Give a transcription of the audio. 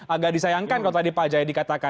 agak disayangkan kalau tadi pak jayadi katakan